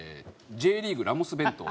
Ｊリーグラモス弁当。